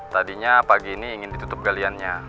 tadinya pagi ini ingin ditutup galiannya